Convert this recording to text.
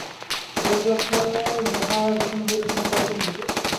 বরযাত্র যাহা জোটানো হইল তাহা পল্টনবিশেষ।